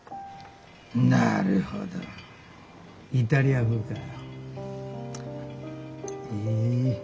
なるほどイタリア風か。